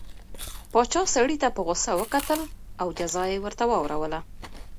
پاچا سړي ته په غوسه وکتل او جزا یې ورته واوروله.